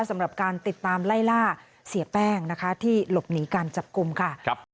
สำหรับการติดตามไล่ล่าเสียแป้งนะคะที่หลบหนีการจับกลุ่มค่ะ